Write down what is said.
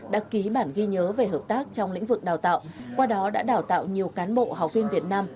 đã ký bản ghi nhớ về hợp tác trong lĩnh vực đào tạo qua đó đã đào tạo nhiều cán bộ học viên việt nam